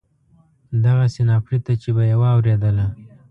دغسې ناپړېته چې به یې واورېدله.